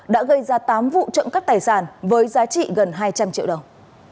đã gây ra tám vụ trộm cắp tài sản với giá trị gần hai trăm linh triệu đồng